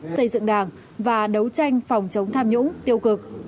xây dựng đảng và đấu tranh phòng chống tham nhũng tiêu cực